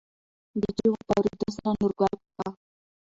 دې چېغو په اورېدو سره نورګل کاکا.